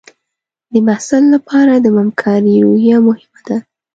د محصل لپاره د همکارۍ روحیه مهمه ده.